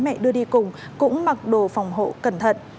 mẹ đưa đi cùng cũng mặc đồ phòng hộ cẩn thận